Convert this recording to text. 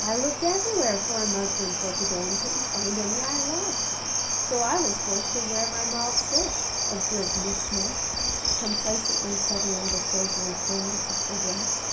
"I looked everywhere for a muslin for to day and couldn't find any I liked, so I was forced to wear my mauve silk," observed Miss Smith, complacently settling the silvery folds of her dress.